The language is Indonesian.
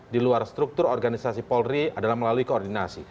di luar struktur organisasi polri adalah melalui koordinasi